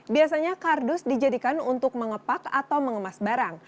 biasanya kardus dijadikan untuk mengepak atau mengemas barang